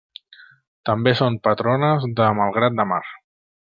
També són patrones de Malgrat de Mar.